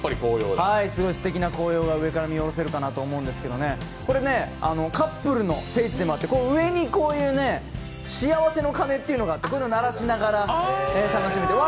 すごいすてきな紅葉が上から見下ろせるかなと思うんですけどカップルの聖地でもあって上に幸せの鐘というのがあってこれを鳴らしながら楽しむという。